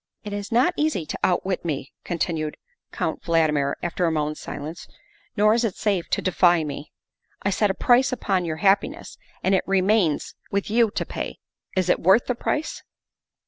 '' It is not easy to outwit me, '' continued Count Vald mir after a moment 's silence, '' nor is it safe to defy me. I set a price upon your happiness, and it remains with you to pay. Is it worth the price